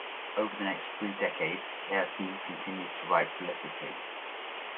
Over the next three decades, Heyse continued to write prolifically.